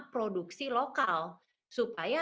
produksi lokal supaya